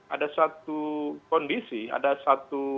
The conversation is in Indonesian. ada satu kondisi ada satu